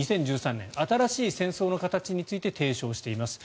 ２０１３年新しい戦争の形について提唱しています。